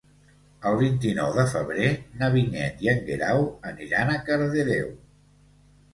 El vint-i-nou de febrer na Vinyet i en Guerau aniran a Cardedeu.